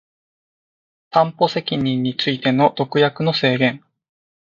担保責任についての特約の制限